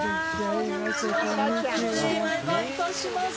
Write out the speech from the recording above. お邪魔いたします。